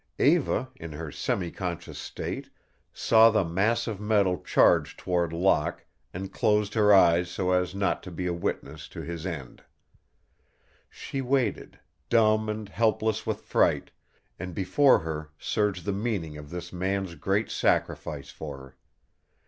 Eva, in her semi conscious state, saw the mass of metal charge toward Locke, and closed her eyes so as not to be a witness to his end. She waited, dumb and helpless with fright, and before her surged the meaning of this man's great sacrifice for her.